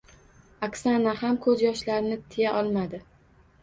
Oksana ham ko‘z yoshlarini tiya olmadi.